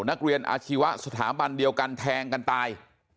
นักเรียนอาชีวะสถาบันเดียวกันแทงกันตาย